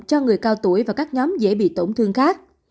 cho người cao tuổi và các nhóm dễ bị tổn thương khác